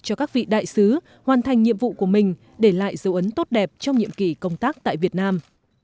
cho các vị đại sứ hoàn thành nhiệm vụ của mình để lại dấu ấn tốt đẹp trong nhiệm kỳ công tác tại việt nam